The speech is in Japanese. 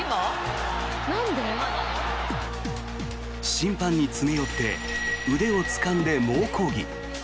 審判に詰め寄って腕をつかんで猛抗議。